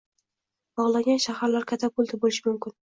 “bogʻlangan shaharlar katapulti” boʻlishi mumkin.